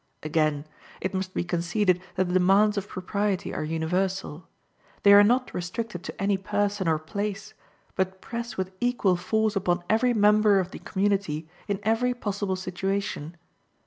Again: it must be conceded that the demands of propriety are universal. They are not restricted to any person or place, but press with equal force upon every member of the community in every possible situation.